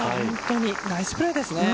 ナイスプレーですね。